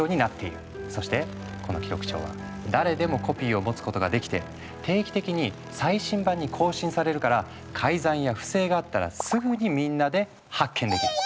そしてこの記録帳は誰でもコピーを持つことができて定期的に最新版に更新されるから改ざんや不正があったらすぐにみんなで発見できる。